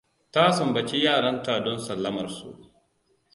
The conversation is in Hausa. Ta sunbaci yaran ta don sallamar su.